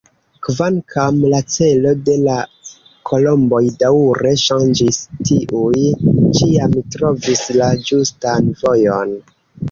Kvankam la celo de la kolomboj daŭre ŝanĝis, tiuj ĉiam trovis la ĝustan vojon.